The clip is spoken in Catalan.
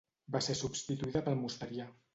Va ser substituïda pel mosterià.